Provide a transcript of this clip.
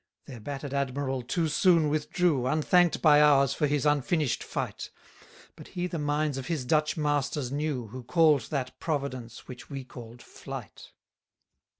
192 Their batter'd admiral too soon withdrew, Unthank'd by ours for his unfinish'd fight; But he the minds of his Dutch masters knew, Who call'd that Providence which we call'd flight.